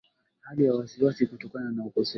hali ya wasiwasi kutokana na ukosefu